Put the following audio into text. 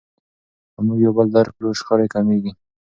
که موږ یو بل درک کړو شخړې کمیږي.